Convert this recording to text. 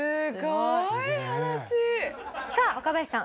さあ若林さん